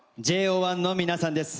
ＪＯ１の皆さんです。